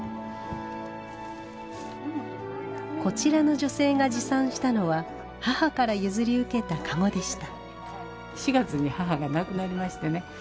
こちらの女性が持参したのは母から譲り受けたカゴでした。